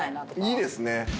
いいですね。